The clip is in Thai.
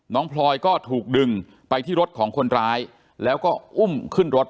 พลอยก็ถูกดึงไปที่รถของคนร้ายแล้วก็อุ้มขึ้นรถ